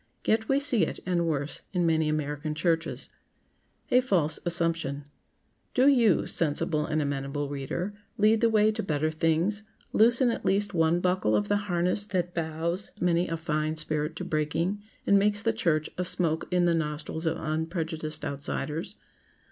Yet we see it—and worse—in many American churches. [Sidenote: A FALSE ASSUMPTION] Do you, sensible and amenable reader, lead the way to better things; loosen at least one buckle of the harness that bows many a fine spirit to breaking, and makes the church a smoke in the nostrils of unprejudiced outsiders.